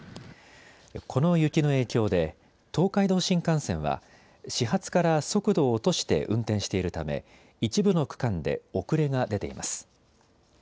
この雪の影響で東海道新幹線は始発から速度を落として運転しているため一部の区間で遅れが出ています。